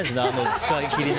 使い切りの。